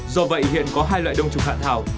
do vậy hiện có hai loại đông trùng hạ thảo